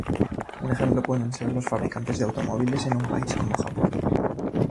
Un ejemplo pueden ser los fabricantes de automóviles en un país como Japón.